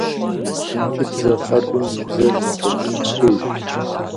Ӏункӏыбзэ къэбым и бзэр зэхъуэкӏын хуейщ.